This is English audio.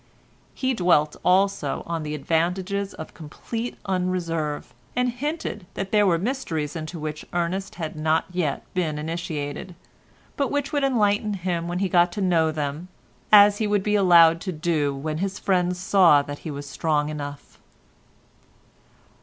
He dwelt also on the advantages of complete unreserve, and hinted that there were mysteries into which Ernest had not yet been initiated, but which would enlighten him when he got to know them, as he would be allowed to do when his friends saw that he was strong enough.